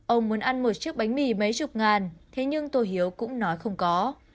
ông muốn ăn một chiếc bánh mì mấy chục ngàn thế nhưng tôi hiếu cũng nói không có